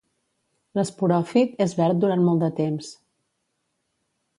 L'esporòfit és verd durant molt de temps.